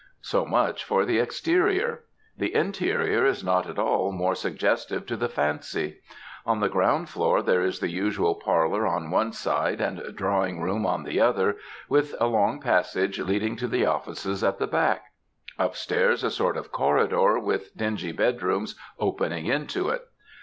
So much for the exterior. The interior is not at all more suggestive to the fancy. On the ground floor, there is the usual parlour on one side, and drawing room on the other, with a long passage leading to the offices at the back; upstairs, a sort of corridor, with dingy bedrooms opening into it.